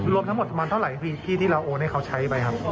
รวมทั้งหมดสมัยเท่าไรที่เราโอนให้เขาใช้ไปครับ